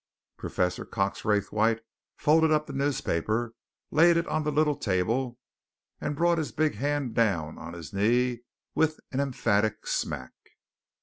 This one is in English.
"'" Professor Cox Raythwaite folded up the newspaper, laid it on the little table, and brought his big hand down on his knee with an emphatic smack.